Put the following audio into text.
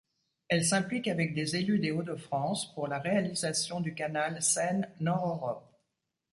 Elle s'implique avec des élus des Hauts-de-France pour la réalisation du canal Seine-Nord-Europe.